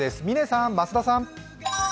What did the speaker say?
嶺さん、増田さん。